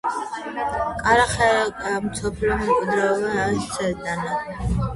კარტახენა იუნესკომ მსოფლიო მემკვიდრეობის სიაში შეიტანა.